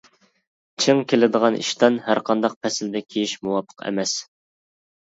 چىڭ كېلىدىغان ئىشتان ھەرقانداق پەسىلدە كىيىش مۇۋاپىق ئەمەس.